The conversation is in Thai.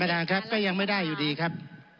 ท่านครับก็ยังไม่ได้อยู่ดีครับ